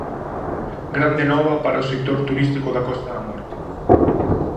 Grande nova para o sector turístico da Costa da Morte.